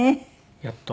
やっと。